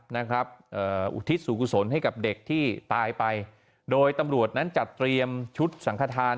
นะครับเอ่ออุทิศส่วนกุศลให้กับเด็กที่ตายไปโดยตำรวจนั้นจัดเตรียมชุดสังขทาน